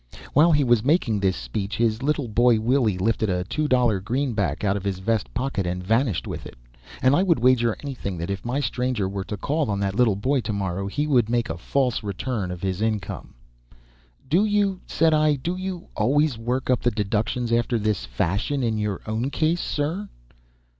[While he was making this speech his little boy Willie lifted a two dollar greenback out of his vest pocket and vanished with it, and I would wager anything that if my stranger were to call on that little boy to morrow he would make a false return of his income.] "Do you," said I, "do you always work up the 'deductions' after this fashion in your own case, sir?"